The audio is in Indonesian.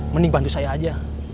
mending bantu saya aja